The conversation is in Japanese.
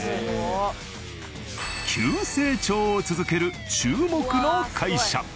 急成長を続ける注目の会社。